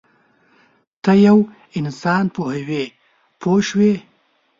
ته یو انسان پوهوې پوه شوې!.